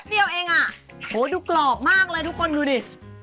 โหดูกรอบมากเลยทุกคนดูดิ